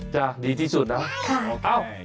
จ้ะดีที่สุดนะโอเคค่ะโอเค